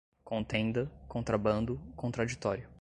contenda, contrabando, contraditório